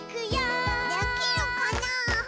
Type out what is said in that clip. できるかなぁ？